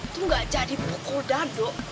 tuh gak jadi pukul dado